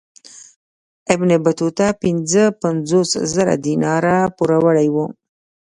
ابن بطوطه پنځه پنځوس زره دیناره پوروړی وو.